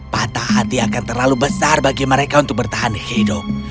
patah hati akan terlalu besar bagi mereka untuk bertahan hidup